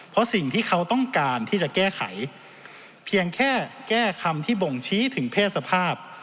เพราะสิ่งที่เขาต้องการที่จะแก้ไขเพียงแค่แก้คำที่บ่งชี้ถึงเพศสภาพ